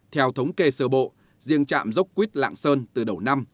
theo thống kê sơ bộ riêng trạm dốc quýt lạng sơn từ đầu năm